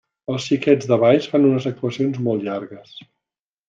Els Xiquets de Valls fan unes actuacions molt llargues.